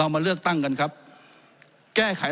ท่านนายกคือทำร้ายระบอบประชาธิปไตยที่มีพระมหาคศัตริย์